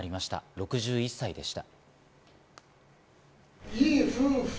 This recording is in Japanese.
６１歳でした。